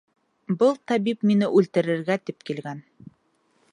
— Был табип мине үлтерергә тип килгән.